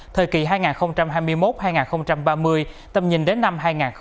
thời kỳ hai nghìn hai mươi một hai nghìn ba mươi tầm nhìn đến năm hai nghìn năm mươi